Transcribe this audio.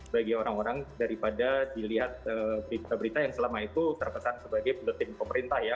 bagi orang orang daripada dilihat berita berita yang selama itu terpesan sebagai penetin pemerintah ya